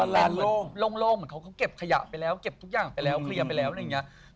แรงโล่งเหมือนเขาก็เก็บขยะไปแล้วเก็บทุกอย่างไปแล้วเคลียร์ไปแล้วอะไรอย่างนี้